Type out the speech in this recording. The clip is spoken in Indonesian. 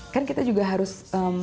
kan kita juga harus